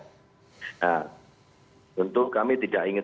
tentu kami tidak ingin